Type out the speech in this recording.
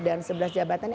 dan sebelas jabatan